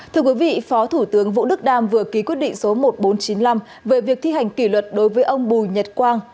thưa quý vị phó thủ tướng vũ đức đam vừa ký quyết định số một nghìn bốn trăm chín mươi năm về việc thi hành kỷ luật đối với ông bùi nhật quang